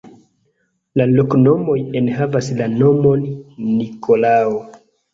La loknomoj enhavas la nomon Nikolao.